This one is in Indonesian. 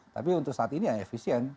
tapi untuk saat ini ya efisien